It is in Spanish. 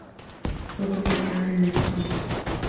Fue publicado en Steam.